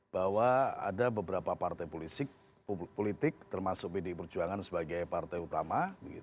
bahwa ada beberapa partai politik termasuk pdi perjuangan sebagai partai utama